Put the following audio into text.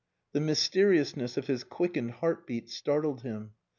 The mysteriousness of his quickened heart beats startled him.